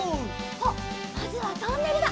あっまずはトンネルだ。